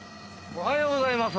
おはようございます。